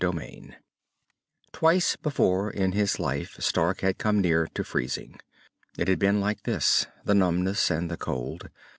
VIII Twice before in his life Stark had come near to freezing. It had been like this, the numbness and the cold.